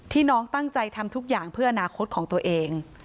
น้องตั้งใจทำทุกอย่างเพื่ออนาคตของตัวเอง